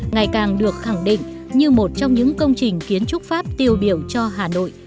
ngày càng được khẳng định như một trong những công trình kiến trúc pháp tiêu biểu cho hà nội